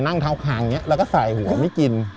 นั่งเท้าคางอย่างนี้แล้วก็ใส่หัวไม่กิน